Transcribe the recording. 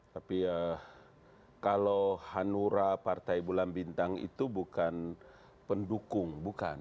tapi kalau hanura partai bulan bintang itu bukan pendukung bukan